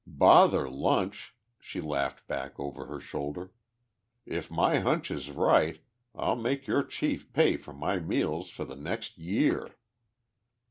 "Bother lunch," she laughed back over her shoulder. "If my hunch is right I'll make your chief pay for my meals for the next year!"